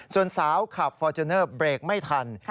ส่วนสาวขับฟอร์จูเนอร์เบรกไม่ทัน